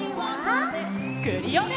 クリオネ！